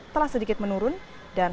telah sedikit menurun dan